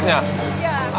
jangan lupa ibu